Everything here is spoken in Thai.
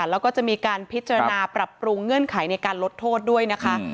แล้วก็จะมีการพิจารณาปรับปรุงเงื่อนไขในการลดโทษด้วยนะคะ